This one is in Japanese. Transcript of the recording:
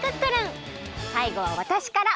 さいごはわたしから。